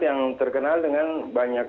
yang terkenal dengan banyak